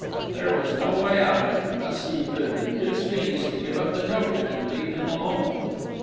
There was no way out of it, unless he could induce Venus to give up the token and leave him alone.